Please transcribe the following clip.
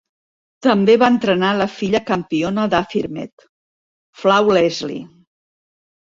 També va entrenar la filla campiona d'Affirmed, Flawlessly.